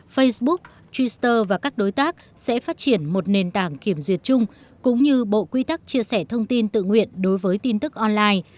facebook twitter và các đối tác sẽ phát triển một nền tảng kiểm duyệt chung cũng như bộ quy tắc chia sẻ thông tin tự nguyện đối với tin tức online